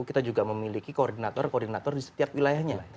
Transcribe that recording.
kita juga memiliki koordinator koordinator di setiap wilayahnya